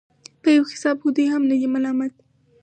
په يو حساب خو دوى هم نه دي ملامت.